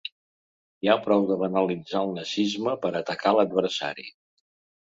Ja prou de banalitzar el nazisme per atacar l'adversari.